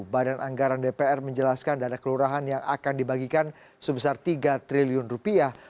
badan anggaran dpr menjelaskan dana kelurahan yang akan dibagikan sebesar tiga triliun rupiah